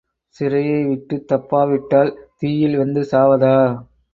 சிறையைவிட்டுத்தப்பாவிட்டால் தீயில் வெந்து சாவதா?